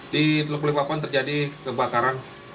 di teluk balikpapan terjadi kebakaran